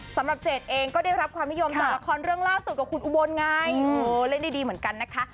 เจดเองก็ได้รับความนิยมจากละครเรื่องล่าสุดกับคุณอุบลไงเล่นได้ดีเหมือนกันนะคะ